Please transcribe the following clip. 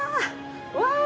うわ！